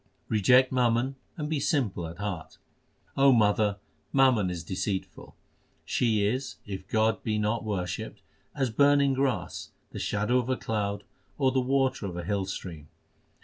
Reject mammon and be simple at heart : O mother, mammon is deceitful, She is, if God be not worshipped, as burning grass, the shadow of a cloud, or the water of a hill stream.